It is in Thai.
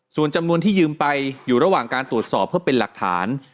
ส่วนจำนวนที่ยืมไปอยู่ระหว่างการตรวจสอบเพื่อเป็นหลักฐาน